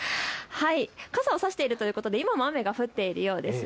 傘を差しているということで今も雨が降っているようです。